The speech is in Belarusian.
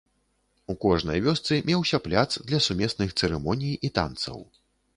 У кожнай вёсцы меўся пляц для сумесных цырымоній і танцаў.